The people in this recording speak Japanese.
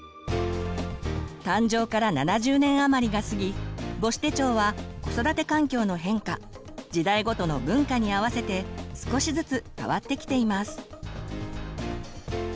誕生から７０年あまりが過ぎ母子手帳は子育て環境の変化時代ごとの文化に合わせて少しずつ変わってきています。